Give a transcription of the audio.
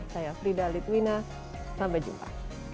saya frida litwina sampai jumpa